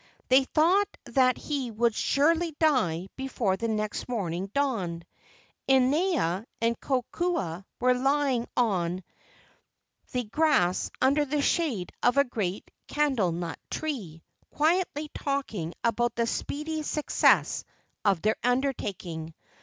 They thought that he would surely die before the next morning dawned. Inaina and Kokua were lying on the 82 LEGENDS OF GHOSTS grass under the shade of a great candlenut tree, quietly talking about the speedy success of their undertaking.